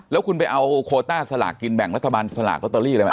แล้วคุณไปเอาโคต้าสลากกินแบ่งรัฐบาลสลากลอตเตอรี่อะไรมา